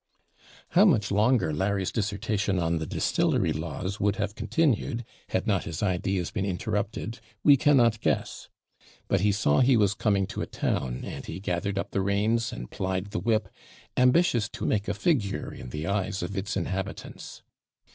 How much longer Larry's dissertation on the distillery laws would have continued, had not his ideas been interrupted, we cannot guess; but he saw he was coming to a town, and he gathered up the reins, and plied the whip, ambitious to make a figure in the eyes of its inhabitants.